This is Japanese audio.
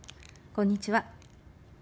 こんにちは。